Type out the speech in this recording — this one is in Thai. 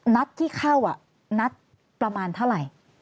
นัดที่เข้านัดประมาณเท่าไหร่